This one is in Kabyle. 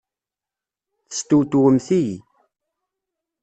Testewtwemt-iyi!